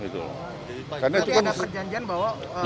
tapi ada perjanjian bahwa